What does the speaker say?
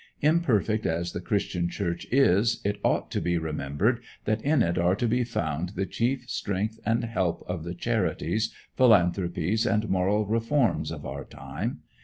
Imperfect as the Christian Church is, it ought to be remembered that in it are to be found the chief strength and help of the charities, philanthropies, and moral reforms of our time.